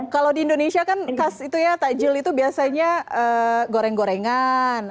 kalau di indonesia kan khas itu ya takjul itu biasanya goreng gorengan